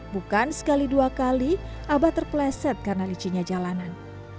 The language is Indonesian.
bukan sekali dua kali abah terpleset karena licinnya jalanan